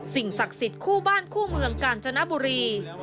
ศักดิ์สิทธิ์คู่บ้านคู่เมืองกาญจนบุรี